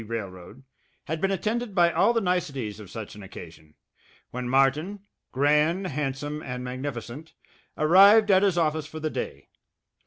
Railroad, had been attended by all the niceties of such an occasion, when Martin, grand, handsome, and magnificent, arrived at his office for the day.